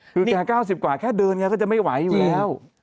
คือแก๙๐กว่าแค่เดินแกก็จะไม่ไหวอยู่แล้ว